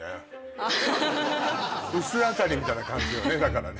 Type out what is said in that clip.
薄明かりみたいな感じよねだからね